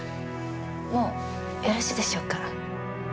もうよろしいでしょうか？